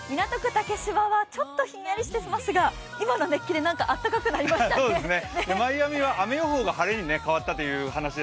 竹芝はちょっとひんやりしてますが今の熱気であったかくなりましたね。